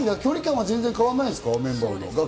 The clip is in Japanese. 距離感は全然変わんないですか？